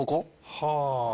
はあ！